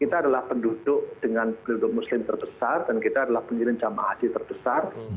kita adalah penduduk dengan penduduk muslim terbesar dan kita adalah pengirim jamaah haji terbesar